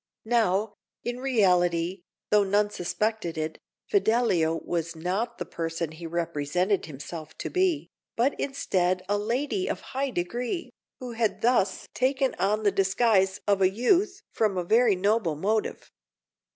Now, in reality, though none suspected it, Fidelio was not the person he represented himself to be, but instead a lady of high degree, who had thus taken on the disguise of a youth from a very noble motive.